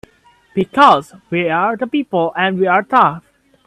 Because we're the people and we're tough!